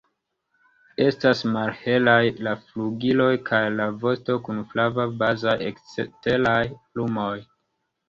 Estas malhelaj la flugiloj kaj la vosto kun flava bazaj eksteraj plumoj.